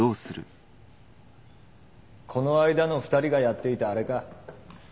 この間の２人がやっていたあれか。